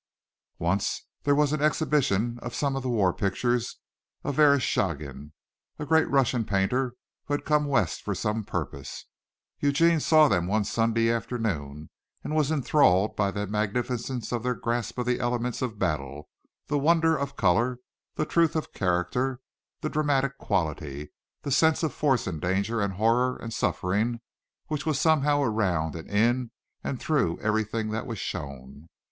Once there was an exhibition of some of the war pictures of Verestchagin, a great Russian painter who had come West for some purpose. Eugene saw them one Sunday afternoon, and was enthralled by the magnificence of their grasp of the elements of battle; the wonder of color; the truth of character; the dramatic quality; the sense of force and danger and horror and suffering which was somehow around and in and through everything that was shown.